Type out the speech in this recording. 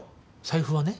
財布はね。